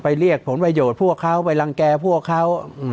เรียกผลประโยชน์พวกเขาไปรังแก่พวกเขา